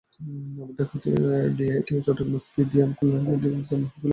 আবার ঢাকার ডিআইটি, চট্টগ্রামের সিডিএ এবং খুলনার কেডিএর জন্মও হয়েছিল তাঁরই আমলে।